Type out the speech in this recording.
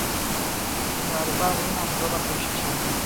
د اروپا غرونه په دوه برخو ویشل شوي دي.